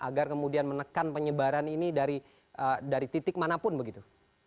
agar kemudian menekan penyebaran ini dari titik manapun begitu